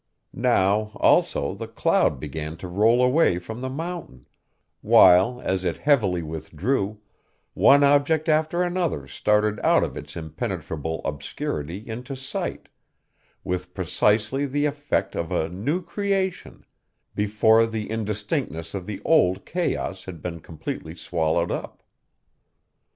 Now, also, the cloud began to roll away from the mountain, while, as it heavily withdrew, one object after another started out of its impenetrable obscurity into sight, with precisely the effect of a new creation, before the indistinctness of the old chaos had been completely swallowed up.